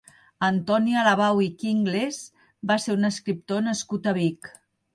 Antoni Alabau i Quingles va ser un escriptor nascut a Vic.